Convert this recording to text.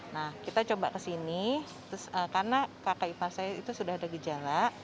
nah kita coba kesini karena kakak ipar saya itu sudah ada gejala